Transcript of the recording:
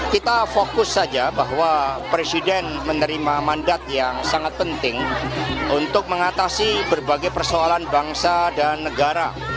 kita fokus saja bahwa presiden menerima mandat yang sangat penting untuk mengatasi berbagai persoalan bangsa dan negara